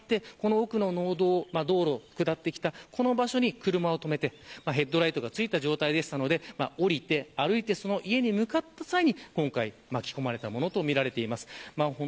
そこを車で移動してぐるりと回ってこの奥の農道を下ってきたこの場所に車を止めてヘッドライトがついた状態でしたので、降りて歩いて、その家に向かった際に今回巻き込まれたものとみられています。